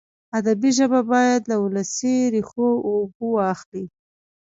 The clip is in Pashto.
ادبي ژبه باید له ولسي ریښو اوبه واخلي.